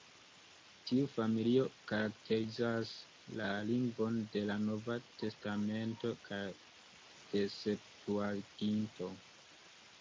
Tiu familio karakterizas la lingvon de la Nova Testamento kaj de Septuaginto.